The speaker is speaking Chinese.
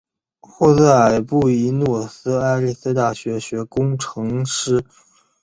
后在布宜诺斯艾利斯大学学工程师。